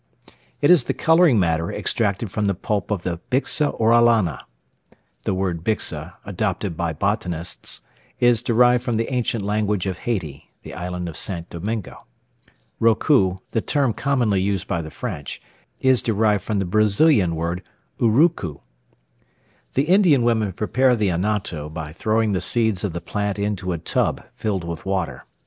It is the colouring matter extracted from the pulp of the Bixa orellana.* (* The word bixa, adopted by botanists, is derived from the ancient language of Haiti (the island of St. Domingo). Rocou, the term commonly used by the French, is derived from the Brazilian word, urucu.) The Indian women prepare the anato by throwing the seeds of the plant into a tub filled with water.